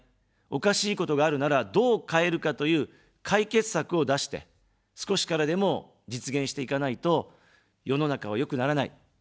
おかしいことがあるなら、どう変えるかという解決策を出して、少しからでも実現していかないと、世の中は良くならない。